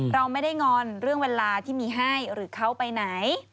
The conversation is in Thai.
เราไม่ได้งอนเรื่องเวลาที่มีให้หรือเขาไปไหน